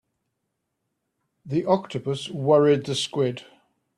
The octopus worried the squid.